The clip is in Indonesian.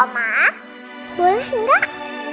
ma boleh gak